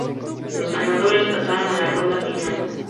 Los ganadores pasaron a la ronda final.